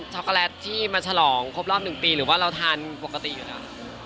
็อกโกแลตที่มาฉลองครบรอบ๑ปีหรือว่าเราทานปกติอยู่แล้ว